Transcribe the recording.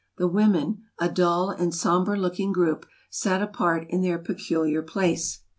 The women, a dull and somber looking group, sat apart in their peculiar place.